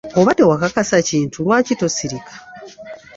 Oba tewekakasa kintu lwaki tosirika?